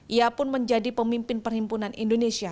ia pun menjadi pemimpin perhimpunan indonesia